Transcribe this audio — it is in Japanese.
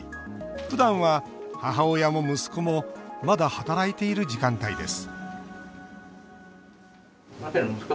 ふだんは母親も息子もまだ働いている時間帯です